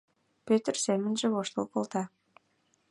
Пӧтыр семынже воштыл колта.